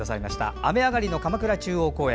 雨上がりの鎌倉中央公園。